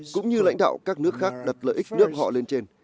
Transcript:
cũng như lãnh đạo các nước khác đặt lợi ích đưa họ lên trên